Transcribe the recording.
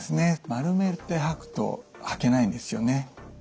丸めて履くと履けないんですよね。